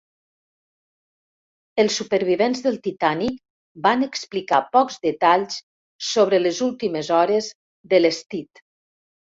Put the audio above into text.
Els supervivents del "Titanic" van explicar pocs detalls sobre les últimes hores de l"Stead.